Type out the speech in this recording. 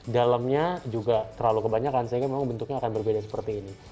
dalamnya juga terlalu kebanyakan sehingga memang bentuknya akan berbeda seperti ini